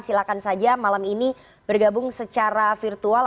silakan saja malam ini bergabung secara virtual